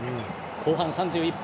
後半３１分。